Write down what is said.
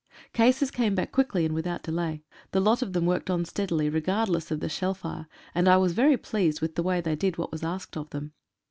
Cases came back quickly, and without delay. The lot of them worked on steadily, regardless of the shell fire, and I was very pleased with the way they did what was asked of them.